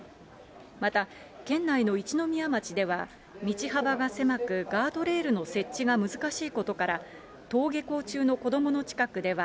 また、県内の一宮町では、道幅が狭く、ガードレールの設置が難しいことから、登下校中の子どもの近くでは、